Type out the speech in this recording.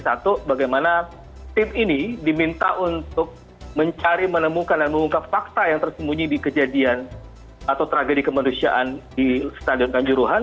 satu bagaimana tim ini diminta untuk mencari menemukan dan mengungkap fakta yang tersembunyi di kejadian atau tragedi kemanusiaan di stadion kanjuruhan